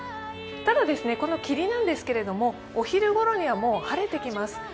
ただ、この霧なんですけれどもお昼ごろには晴れてきます。